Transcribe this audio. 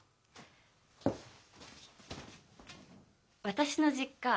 私の実家